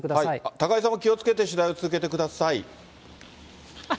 高井さんも気をつけて取材を続けてください。